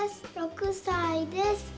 ６さいです。